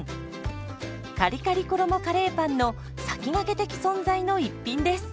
カリカリ衣カレーパンの先駆け的存在の一品です。